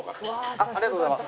ありがとうございます！